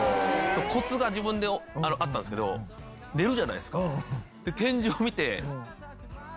コツが自分であったんですけど寝るじゃないですか。